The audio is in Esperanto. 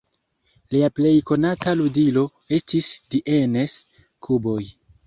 Lia plej konata ludilo estis "Dienes-kuboj".